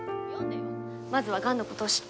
まずはがんのことを知って。